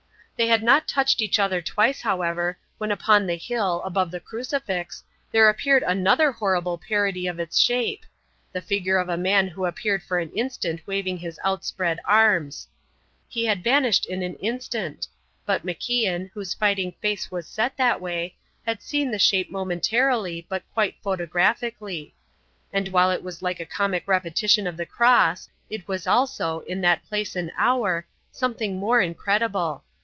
They had not touched each other twice, however, when upon the hill, above the crucifix, there appeared another horrible parody of its shape; the figure of a man who appeared for an instant waving his outspread arms. He had vanished in an instant; but MacIan, whose fighting face was set that way, had seen the shape momentarily but quite photographically. And while it was like a comic repetition of the cross, it was also, in that place and hour, something more incredible.